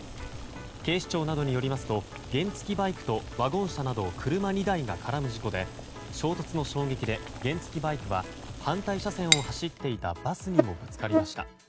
警視庁などによりますと原付きバイクとワゴン車など車２台が絡む事故で衝突の衝撃で原付きバイクは反対車線を走っていたバスにもぶつかりました。